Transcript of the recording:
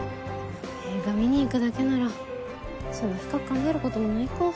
映画見に行くだけならそんな深く考えることもないか。